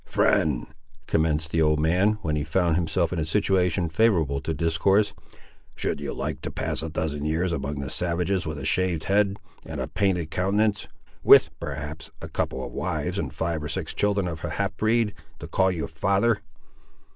"Friend," commenced the old man, when he found himself in a situation favourable to discourse, "should you like to pass a dozen years among the savages with a shaved head, and a painted countenance, with, perhaps, a couple of wives and five or six children of the half breed, to call you father?"